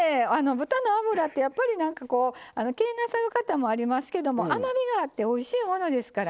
豚の脂ってやっぱりなんかこう気になさる方もありますけども甘みがあっておいしいものですからね